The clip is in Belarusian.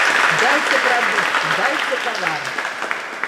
Дайце прадукт, дайце тавар!